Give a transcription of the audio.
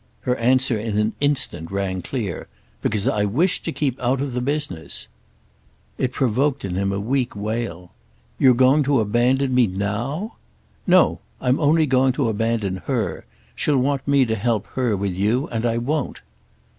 Her answer in an instant rang clear. "Because I wish to keep out of the business." It provoked in him a weak wail. "You're going to abandon me now?" "No, I'm only going to abandon her. She'll want me to help her with you. And I won't."